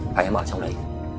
và em ở trong đấy